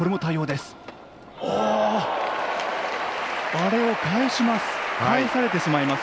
あれを返します。